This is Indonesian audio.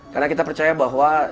karena kita percaya bahwa